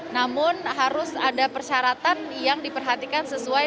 namun harus ada persyaratan yang diperhatikan sesuai